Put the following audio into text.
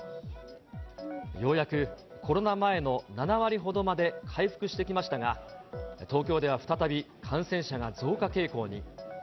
ようやくコロナ前の７割ほどまで回復してきましたが、東京では再非常に不安ですね。